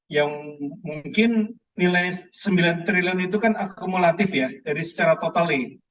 yang mungkin nilai sembilan triliun itu kan akumulatif ya dari secara total